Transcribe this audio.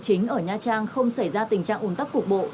chính ở nha trang không xảy ra tình trạng ủn tắc cục bộ